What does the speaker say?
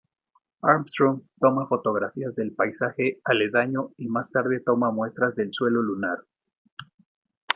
Armstrong toma fotografías del paisaje aledaño y más tarde toma muestras del suelo lunar.